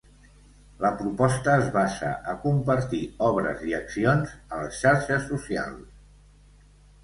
La proposta es basa a compartir obres i accions a les xarxes socials.